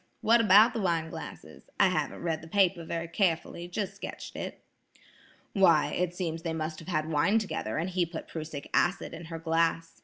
What about the wine glasses? I haven't read the paper very carefully; just sketched it." "Why, it seems they must have had wine together and he put prussic acid in her glass.